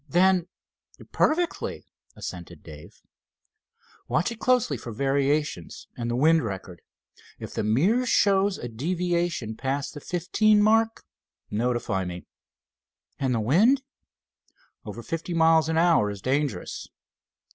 "Then—perfectly," assented Dave. "Watch it closely for variations, and the wind record. If the mirror shows a deviation past the fifteen mark, notify me." "And the wind?" "Over fifty miles an hour is dangerous."